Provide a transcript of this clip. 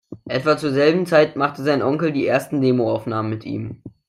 Etwa zur selben Zeit machte sein Onkel die ersten Demoaufnahmen mit ihm.